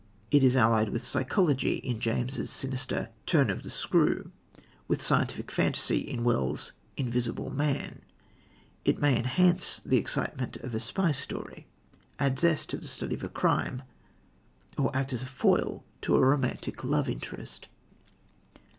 It is allied with psychology in James' sinister Turn of the Screw, with scientific phantasy in Wells' Invisible Man. It may enhance the excitement of a spy story, add zest to the study of crime, or act as a foil to a romantic love interest.